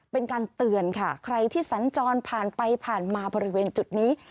เป็นการเตือนค่ะใครที่สัญจรผ่านไปผ่านมาบริเวณจุดนี้